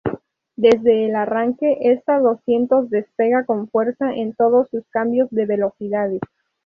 Desde el arranque, esta "doscientos" despega con fuerza en todos sus cambios de velocidades.